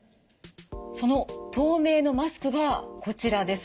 その透明のマスクがこちらです。